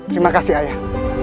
terima kasih ayah